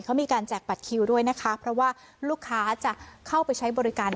เขามีการแจกบัตรคิวด้วยนะคะเพราะว่าลูกค้าจะเข้าไปใช้บริการ